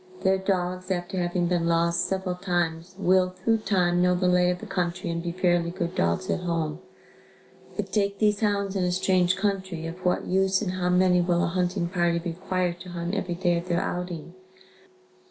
Their dogs after having been lost several times will, through time, know the lay of the country and be fairly good dogs at home, but take these hounds in a strange country, of what use and how many will a hunting party require to hunt every day of their outing?